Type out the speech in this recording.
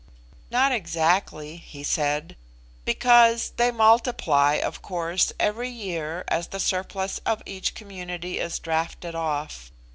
"Not exactly," he said, "because they multiply, of course, every year as the surplus of each community is drafted off.